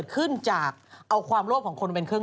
สวัสดีค่าข้าวใส่ไข่